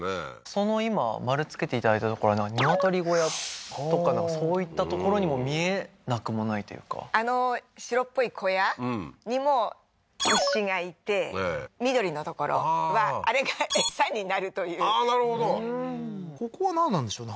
その今丸つけていただいた所は鶏小屋とかそういった所にも見えなくもないというかあの白っぽい小屋？にも牛がいて緑の所はあれが餌になるというああーなるほどここはなんなんでしょうね？